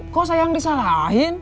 kok saya yang disalahin